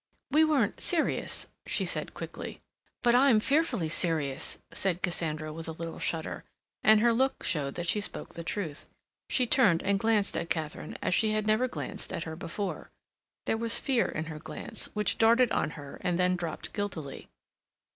"We weren't serious," she said quickly. "But I'm fearfully serious," said Cassandra, with a little shudder, and her look showed that she spoke the truth. She turned and glanced at Katharine as she had never glanced at her before. There was fear in her glance, which darted on her and then dropped guiltily.